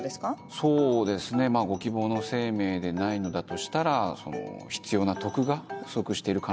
そうですねご希望の生命でないのだとしたら必要な徳が不足している可能性は高い。